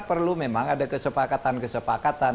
perlu memang ada kesepakatan kesepakatan